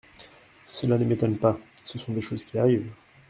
Cela ne m’étonne pas ! Ce sont des choses qui arrivent.